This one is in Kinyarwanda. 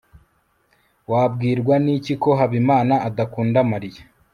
wabwirwa n'iki ko habimana adakunda mariya